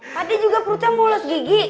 tadi juga perutnya mulus gigi